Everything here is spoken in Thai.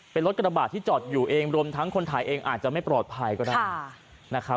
เป็นรถกระบาดที่จอดอยู่เองรวมทั้งคนถ่ายเองอาจจะไม่ปลอดภัยก็ได้นะครับ